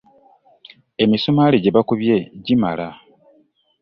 Emisumaali gye mbakubye gimala.